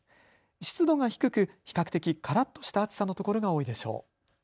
湿度が低く比較的からっとした暑さのところが多いでしょう。